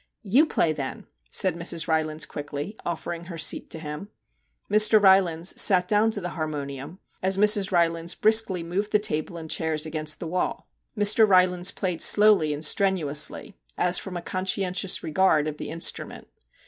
'You play, then,' said Mrs. Ry lands quickly, offering her seat to him. Mr. Rylands sat down to the harmonium, as Mrs. Rylands briskly moved the table and chairs against the wall. Mr. Rylands played slowly and strenuously, as from a conscientious regard of the instrument.